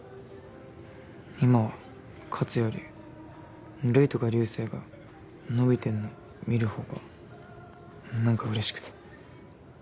今は勝つよりルイとか流星が伸びてんの見るほうが何かうれしくて。